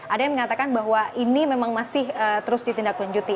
ada yang mengatakan bahwa ini memang masih terus ditindaklanjuti